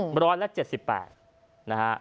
ร้อยละ๗๘นะฮะ